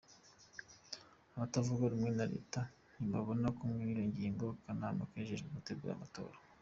Abatavuga rumwe na reta ntibabona kumwe iyo ngingo y’akanama kajejwe gutegura amatora.